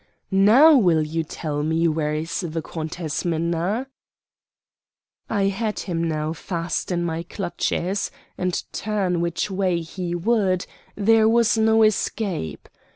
Now, will you tell me where is the Countess Minna?" I had him now fast in my clutches, and turn which way he would there was no escape.